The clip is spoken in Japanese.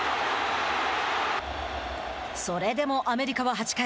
それでも、アメリカは８回。